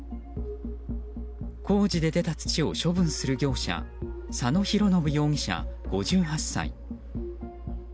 工事で出た土を処分する業者佐野浩信容疑者、５８歳。